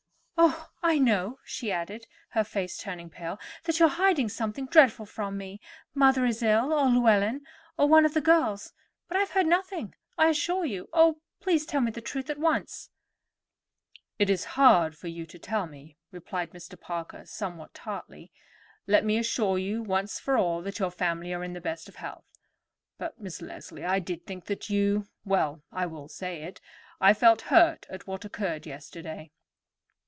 Oh, I know," she added, her face turning pale, "that you are hiding something dreadful from me. Mother is ill, or Llewellyn, or one of the girls; but I have heard nothing, I assure you. Oh, please, tell me the truth at once." "It is for you to tell me," replied Mr. Parker somewhat tartly. "Let me assure you once for all that your family are in the best of health; but, Miss Leslie, I did think that you—well, I will say it, I felt hurt at what occurred yesterday."